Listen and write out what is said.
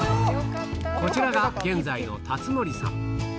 こちらが現在の辰紀さん